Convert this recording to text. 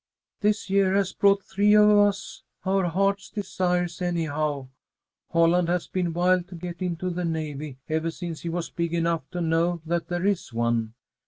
"This year has brought three of us our heart's desires, anyhow. Holland has been wild to get into the navy ever since he was big enough to know that there is one.